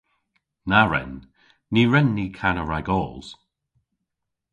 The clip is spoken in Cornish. Na wren. Ny wren ni kana ragos.